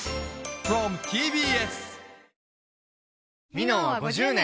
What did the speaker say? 「ミノン」は５０年！